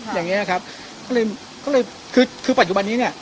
อย่างนี้นะครับก็เลยก็เลยคือคือปัจจุบันนี้เนี่ย